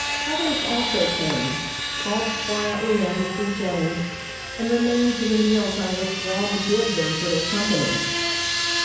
Others also came, called quietly in to see Jennie, and remained to the meals I was glad to give them for their company.